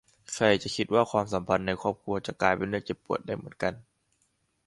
ใครจะคิดว่าความสัมพันธ์ในครอบครัวจะกลายเป็นเรื่องเจ็บปวดได้เหมือนกัน